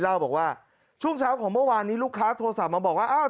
เล่าบอกว่าช่วงเช้าของเมื่อวานนี้ลูกค้าโทรศัพท์มาบอกว่าอ้าว